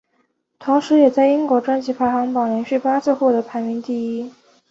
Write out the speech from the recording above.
同时也在英国专辑排行榜连续八次获得排名第一。